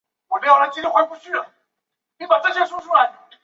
叫了一只一起吃